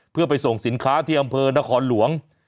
เพื่อไปส่งสินค้าที่อำเภอนครหลวง